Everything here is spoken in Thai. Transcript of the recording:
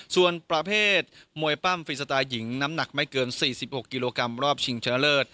ส่วนประเภทมวยปั้มฟรีสไตล์หญิงน้ำหนักไม่เกิน๔๖กิโลกรัมรอบชิงชนะเลิศ